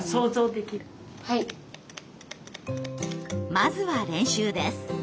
まずは練習です。